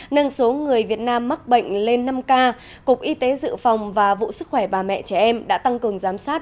nâng số người việt nam mắc bệnh lên năm ca cục y tế dự phòng và vụ sức khỏe bà mẹ trẻ em đã tăng cường giám sát